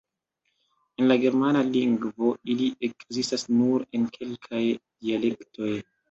En la Germana lingvo ili ekzistas nur en kelkaj dialektoj.